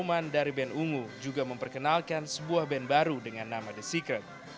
pengumuman dari band ungu juga memperkenalkan sebuah band baru dengan nama the secret